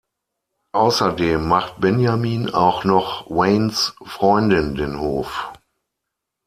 Außerdem macht Benjamin auch noch Waynes Freundin den Hof.